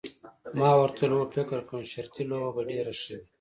ما ورته وویل هو فکر کوم شرطي لوبه به ډېره ښه وي.